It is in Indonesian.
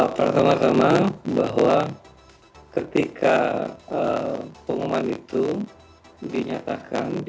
pertama tama bahwa ketika pengumuman itu dinyatakan